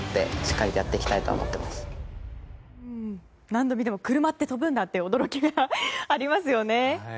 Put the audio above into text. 何度見ても車って跳ぶんだって驚きがありますよね。